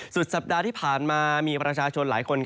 สุดสัปดาห์ที่ผ่านมามีประชาชนหลายคน